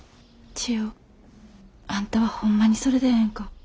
千代あんたはほんまにそれでええんか？